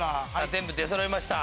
全部出そろいました。